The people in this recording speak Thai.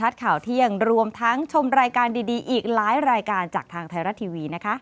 สวัสดีครับ